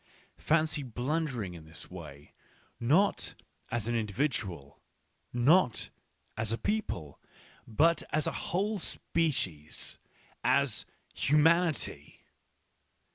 Fancy blundering in this way, not as an individual, not as a people, but as a whole species ! as humanity